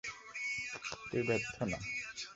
তুই ব্যর্থ না।